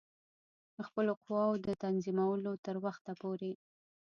خپلو قواوو د تنظیمولو تر وخته پوري.